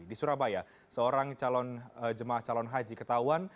di surabaya seorang calon jemaah calon haji ketahuan